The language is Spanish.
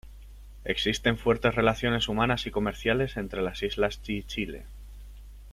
Existen fuertes relaciones humanas y comerciales entre las islas y Chile.